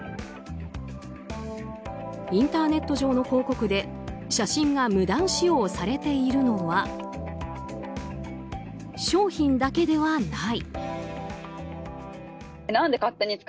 インターネット上の広告で写真が無断使用されているのは商品だけではない。